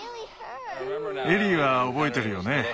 エリーは覚えてるよね？